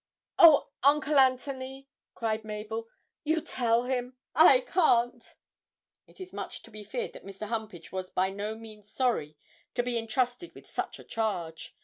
'Oh, Uncle Antony,' cried Mabel, 'you tell him I can't!' It is much to be feared that Mr. Humpage was by no means sorry to be entrusted with such a charge.